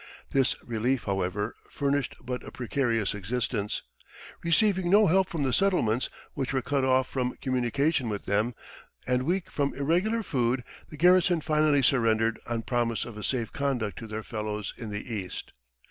This relief, however, furnished but a precarious existence. Receiving no help from the settlements, which were cut off from communication with them, and weak from irregular food, the garrison finally surrendered on promise of a safe conduct to their fellows in the East.